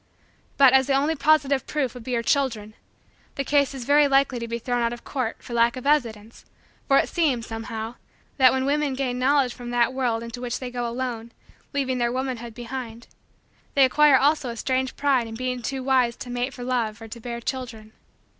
But, as the only positive proof would be her children, the case is very likely to be thrown out of court for lack of evidence for it seems, somehow, that, when women gain Knowledge from that world into which they go alone, leaving their womanhood behind, they acquire also a strange pride in being too wise to mate for love or to bear children.